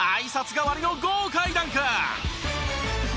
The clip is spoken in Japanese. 代わりの豪快ダンク！